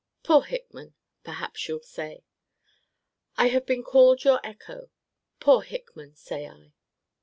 Poor Hickman! perhaps you'll say. I have been called your echo Poor Hickman! say I.